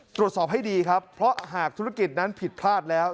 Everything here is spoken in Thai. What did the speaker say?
ตรวจสอบให้ดีครับเพราะหากธุรกิจนั้นผิดพลาดแล้ว